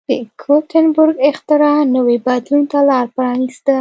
د ګوتنبرګ اختراع نوي بدلون ته لار پرانېسته.